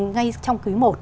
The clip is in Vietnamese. ngay trong quý i